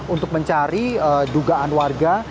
untuk mencari dugaan warga